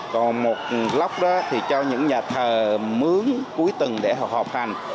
còn một lóc đó thì cho những nhà thờ mướn cuối tuần để họ học hành